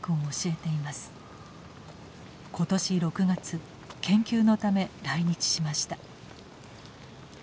今年６月研究のため来日しました。